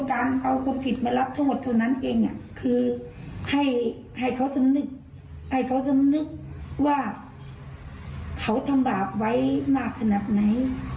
การเอาความผิดมารับโทษเท่านั้นเองคือให้เขาสำนึกให้เขาสำนึกว่าเขาทำบาปไว้มากขนาดไหน